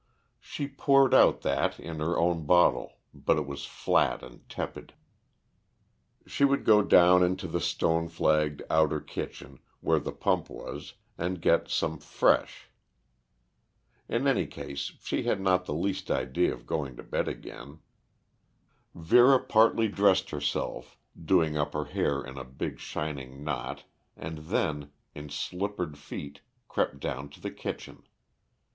She poured out that in her own bottle, but it was flat and tepid. She would go down into the stone flagged outer kitchen, where the pump was, and get some fresh. In any case, she had not the least idea of going to bed again. Vera partly dressed herself, doing up her hair in a big shining knot, and then, in slippered feet, crept down to the kitchen.